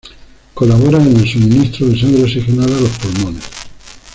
Colaboran en el suministro de sangre oxigenada a los pulmones.